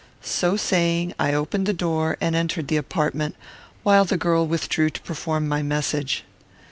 So saying, I opened the door, and entered the apartment, while the girl withdrew to perform my message.